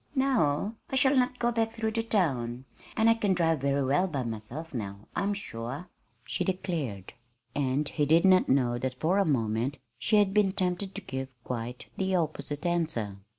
"No, I shall not go back through the town," shuddered the girl. "And I can drive very well by myself now, I am sure," she declared. And he did not know that for a moment she had been tempted to give quite the opposite answer.